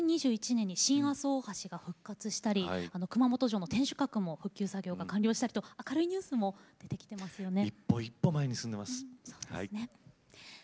２０２１年に新阿蘇大橋が復活したり熊本城の天守閣も復旧作業が完了したり明るいニュースも出てきてますね。